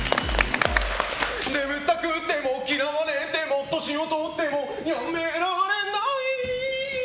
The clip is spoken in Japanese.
眠たくても嫌われても年をとってもやめられない！